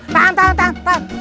tahan tahan tahan